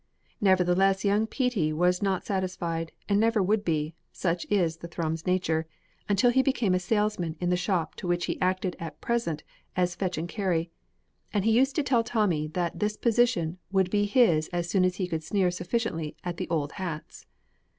Nevertheless young Petey was not satisfied, and never would be (such is the Thrums nature) until he became a salesman in the shop to which he acted at present as fetch and carry, and he used to tell Tommy that this position would be his as soon as he could sneer sufficiently at the old hats.